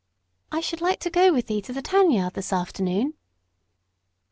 "I should like to go with thee to the tan yard this afternoon."